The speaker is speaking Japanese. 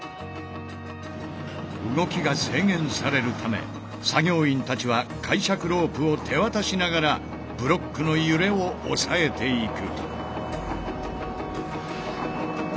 動きが制限されるため作業員たちは介しゃくロープを手渡しながらブロックの揺れを抑えていく。